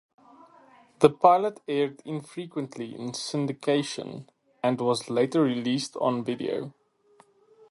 The pilot aired infrequently in syndication, and was later released on video.